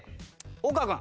岡君。